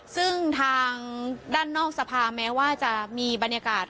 ซึ่งทางด้านนอกสภาแม้ว่าจะมีบรรยากาศ